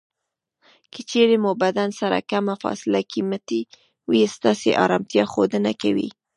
که چېرې مو بدن سره کمه فاصله کې مټې وي ستاسې ارامتیا ښودنه کوي.